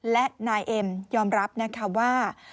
และนายเอ็มยอมรับว่า